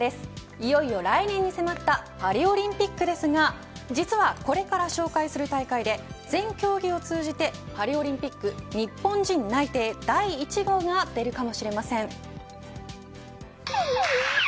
いよいよ来年に迫ったパリオリンピックですが実は、これから紹介する大会で全競技を通じてパリオリンピック日本人内定第１号が出るかもしれません。